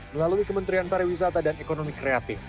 melalui kementerian pariwisata dan ekonomi kreatif